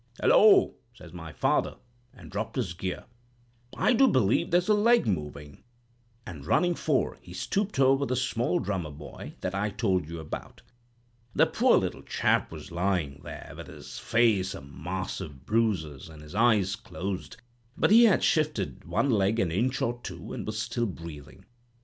'Hullo!' says my father, and dropped his gear, 'I do believe there's a leg moving?' and running fore, he stooped over the small drummer boy that I told you about. The poor little chap was lying there, with his face a mass of bruises, and his eyes closed; but he had shifted one leg an inch or two, and was still breathing.